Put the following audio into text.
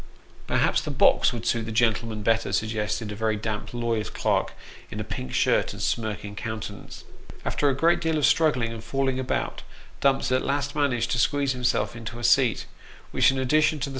" Perhaps the box would suit the gentleman better," suggested a very damp lawyer's clerk, in a pink shirt, and a smirking countenance. After a great deal of struggling and falling about, Dumps at last managed to squeeze himself into a seat, which, in addition to the 360 Sketches by Boz.